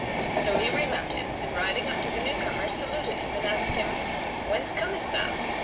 So he remounted and riding up to the new comer, saluted him and asked him, "Whence comest thou?"